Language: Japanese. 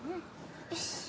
よし。